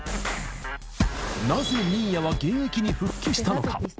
なぜ新谷は現役に復帰したのか。